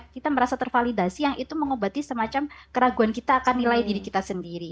kita merasa tervalidasi yang itu mengobati semacam keraguan kita akan nilai diri kita sendiri